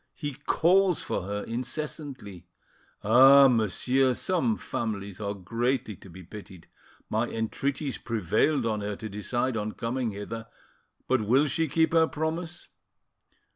He calls for her incessantly. Ah! monsieur, some families are greatly to be pitied! My entreaties prevailed on her to decide on coming hither, but will she keep her promise?